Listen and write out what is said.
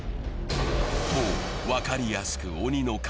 分かりやすく鬼の影。